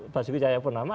basu widjaya purnama